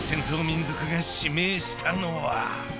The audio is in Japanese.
民族が指名したのは。